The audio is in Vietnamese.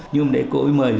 nhưng mà để cô ấy mời